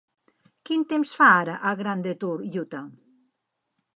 Quin temps fa ara a Grand Detour, Utah?